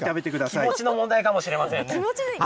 気持ちの問題かもしれませんね。